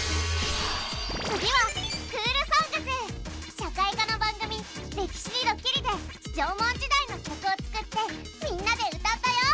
次は社会科の番組「歴史にドキリ」で縄文時代の曲を作ってみんなで歌ったよ。